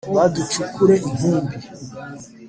baducure inkumbi